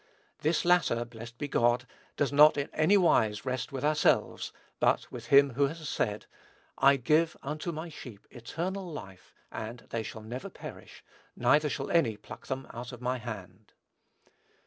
This latter, blessed be God, does not in any wise rest with ourselves, but with him who has said, "I give unto my sheep eternal life, and they shall never perish, neither shall any pluck them out of my hand."